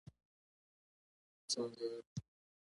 سنګه یی